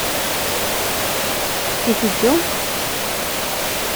I teddum?